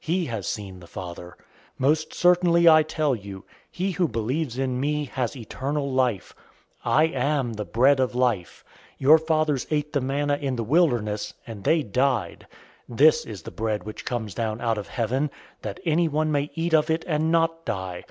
He has seen the Father. 006:047 Most certainly, I tell you, he who believes in me has eternal life. 006:048 I am the bread of life. 006:049 Your fathers ate the manna in the wilderness, and they died. 006:050 This is the bread which comes down out of heaven, that anyone may eat of it and not die.